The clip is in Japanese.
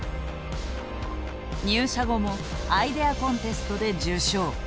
入社後もアイデアコンテストで受賞。